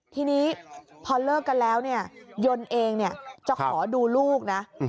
ทีนี้พอเลิกกันแล้วยนต์เองจะขอดูลูกนะ